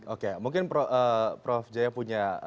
oke mungkin prof jaya punya